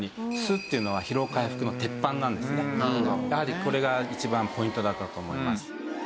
やはりこれが一番ポイントだったと思います。